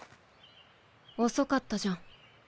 遅かったじゃん。